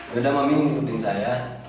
udah udah ma mi ngikutin saya